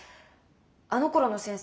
あのころの先生